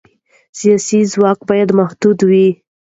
سیاسي ځواک باید محدود وي